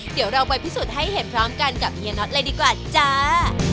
เดี๋ยวเราไปพิสูจน์ให้เห็นพร้อมกันกับเฮียน็อตเลยดีกว่าจ้า